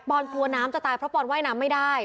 อนกลัวน้ำจะตายเพราะปอนว่ายน้ำไม่ได้